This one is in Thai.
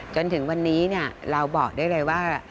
จนถึงวันนี้เราบอกได้เลยว่า